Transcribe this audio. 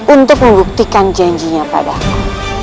untuk membuktikan janjinya padaku